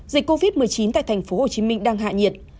dịch covid một mươi chín tại tp hcm đang hạ nhiệt